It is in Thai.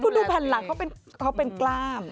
นี่คุณดูแผ่นรังท่าเป็นกล้าม